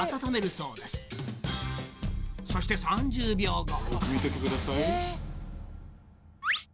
そして３０秒後。